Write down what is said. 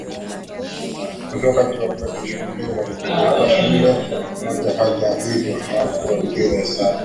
Ulipofika wakati wa kwenda shule walipelekwa shule mojahata hivyo hawakuwa vizuri darasani